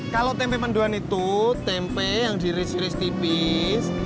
kalau tempe mendoan itu tempe yang diris iris tipis